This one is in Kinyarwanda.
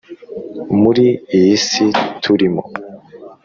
muri iyi si turimo.